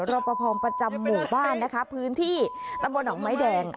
รอประพอประจำหมู่บ้านนะคะพื้นที่ตะบันออกไม้แดง